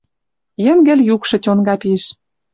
Йӹнгӹл юкшы тьонга пиш.